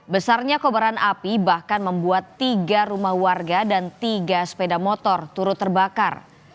besarnya kobaran api bahkan membuat tiga rumah warga dan tiga sepeda motor turut terbakar